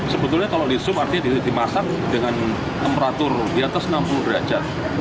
sebetulnya kalau di sup artinya dimasak dengan temperatur di atas enam puluh derajat